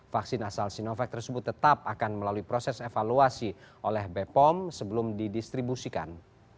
vaksin asal sinovac tersebut tetap akan melalui proses evaluasi oleh bepom sebelum didistribusikan